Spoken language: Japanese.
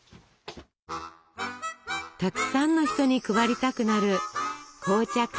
たくさんの人に配りたくなる紅茶香る